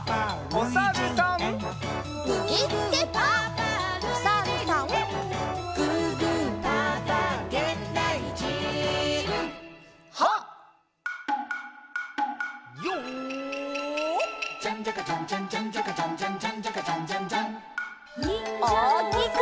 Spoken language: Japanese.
おおきく！